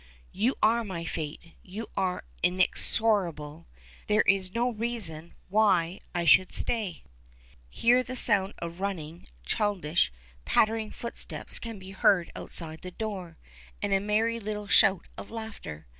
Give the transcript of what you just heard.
"You are my fate! You are inexorable! There is no reason why I should stay." Here the sound of running, childish, pattering footsteps can be heard outside the door, and a merry little shout of laughter.